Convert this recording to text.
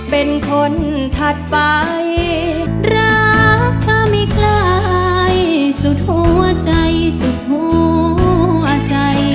เป็นคนถัดไปรักเธอไม่คล้ายสุดหัวใจสุดหัวใจ